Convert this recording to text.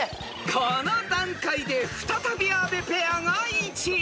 ［この段階で再び阿部ペアが１位に］